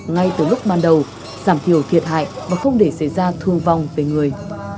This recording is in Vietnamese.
ngay từ lúc ban đầu giảm thiểu thiệt hại và không để xảy ra thương vong về người